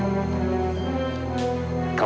jawab dari mak bear